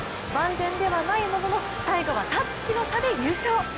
万全ではないものの、最後はタッチの差で優勝。